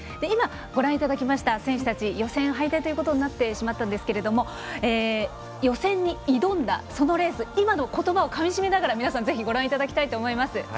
今、ご覧いただきました選手たち予選敗退ということになってしまったんですけれども予選に挑んだそのレースを今の言葉をかみしめながらご覧いただきたいと思います。